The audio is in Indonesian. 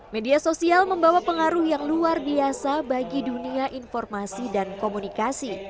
media sosial membawa pengaruh yang luar biasa bagi dunia informasi dan komunikasi